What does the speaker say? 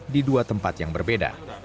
di dua tempat yang berbeda